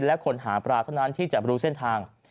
และคนหาปลาเท่านั้นที่จะรู้เส้นทาง